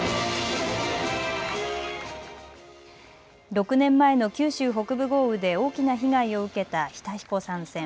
６年前の九州北部豪雨で大きな被害を受けた日田彦山線。